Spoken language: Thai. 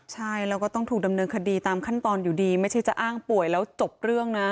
ใช่แล้วก็ต้องถูกดำเนินคดีตามขั้นตอนอยู่ดีไม่ใช่จะอ้างป่วยแล้วจบเรื่องนะ